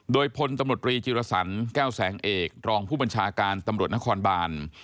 โดยพลตำรวจรีจิรสันแก้วแสงเอกรองผู้บัญชาการตำรวจนครบาน